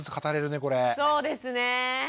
そうですね。